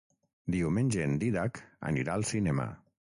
Diumenge en Dídac anirà al cinema.